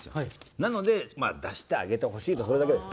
なので出してあげてほしいそれだけです。